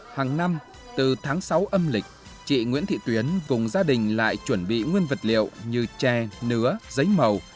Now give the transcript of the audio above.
hàng năm từ tháng sáu âm lịch chị nguyễn thị tuyến cùng gia đình lại chuẩn bị nguyên vật liệu như tre nứa giấy màu